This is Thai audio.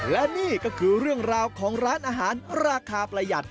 และนี่ก็คือเรื่องราวของร้านอาหารราคาประหยัด